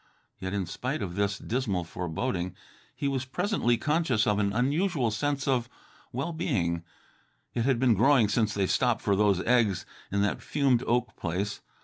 Yet, in spite of this dismal foreboding, he was presently conscious of an unusual sense of well being. It had been growing since they stopped for those eggs, in that fumed oak place.